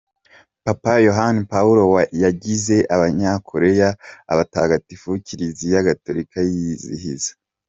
Papa Yohani Paul wa yagize abanyakoreya abatagatifu Kiliziya Gatolika yizihiza.